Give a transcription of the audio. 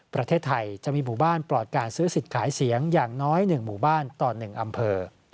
ประเทศไทยจะมีหมู่บ้านปลอดการซื้อสิทธิ์ขายเสียงอย่างน้อย๑หมู่บ้านต่อ๑อำเภอ